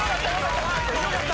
よかった！